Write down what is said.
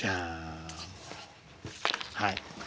はい。